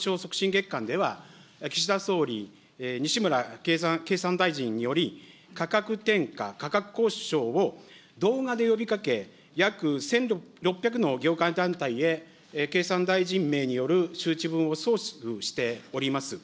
月間では、岸田総理、西村経産大臣により、価格転嫁、価格交渉を動画で呼びかけ、約１６００の業界団体へ、経産大臣名による周知分を送付しております。